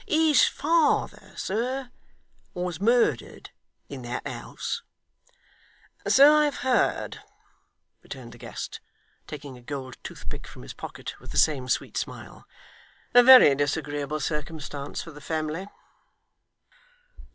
His father, sir, was murdered in that house.' 'So I have heard,' returned the guest, taking a gold toothpick from his pocket with the same sweet smile. 'A very disagreeable circumstance for the family.